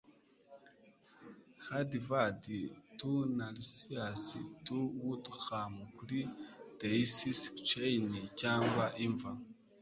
harvard to narcissus to woodlawn kuri daisychain cyangwa imva